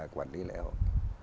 quản lý lễ hội